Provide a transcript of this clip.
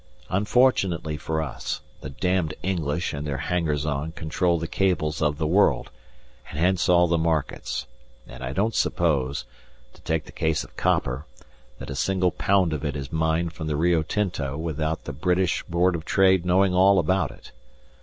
Unfortunately for us, the damned English and their hangers on control the cables of the world, and hence all the markets, and I don't suppose, to take the case of copper, that a single pound of it is mined from the Rio Tinto without the British Board of Trade knowing all about it.